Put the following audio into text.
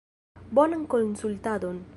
Bonan konsultadon!